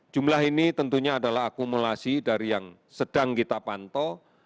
jumlah ini tentunya adalah akumulasi dari yang sedang kita pantau